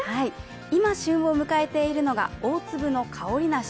今、旬を迎えているのが大粒のかおり梨。